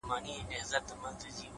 و تاته د جنت حوري غلمان مبارک!!